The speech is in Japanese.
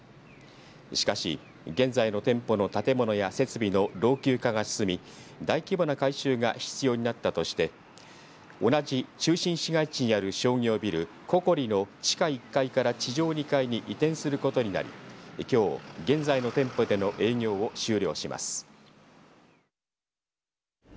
しかし現在の店舗の建物や設備の老朽化が進み大規模な改修が必要になったとして同じ中心市街地にある商業ビルココリの地下１階から地上２階に移転することになりきょう、現在の店舗での営業を終了します。